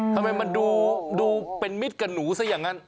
ทำไมมันดูเป็นมิตรกับหนูซะอย่างนั้น